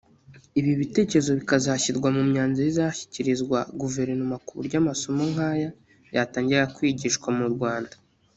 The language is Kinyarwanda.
ibi bitekerezo bikazashyirwa mu myanzuro izashyikirizwa guverinoma ku buryo amasomo nk’aya yatangira kwigishwa mu Rwanda